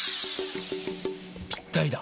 ぴったりだ！